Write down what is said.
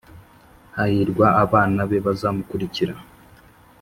hahirwa abana be bazamukurikira